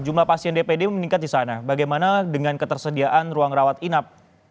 jumlah pasien dpd meningkat di sana bagaimana dengan ketersediaan ruang rawat inap